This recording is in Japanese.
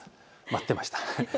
待ってました。